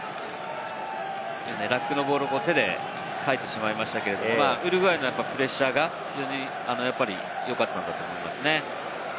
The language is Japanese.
ラックのボールを手でかいてしまいましたけれども、ウルグアイのプレッシャーが非常に良かったんだと思いますね。